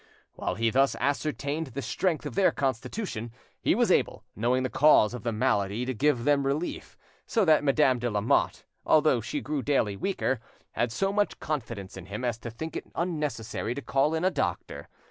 While he thus ascertained the strength of their constitution, he was able, knowing the cause of the malady, to give them relief, so that Madame de Lamotte, although she grew daily weaker, had so much confidence in him as to think it unnecessary to call in a doctor.